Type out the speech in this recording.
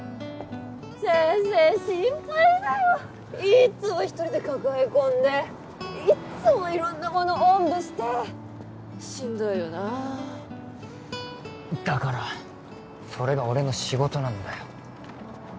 先生心配だよいっつも一人で抱え込んでいっつも色んなものおんぶしてしんどいよなだからそれが俺の仕事なんだよ